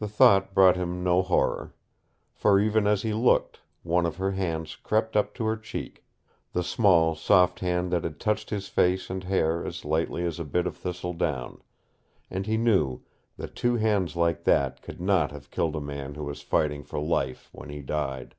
The thought brought him no horror. For even as he looked, one of her hands crept up to her cheek the small, soft hand that had touched his face and hair as lightly as a bit of thistle down and he knew that two hands like that could not have killed a man who was fighting for life when he died.